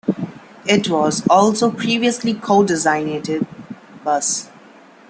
It was also previously co-designated Bus.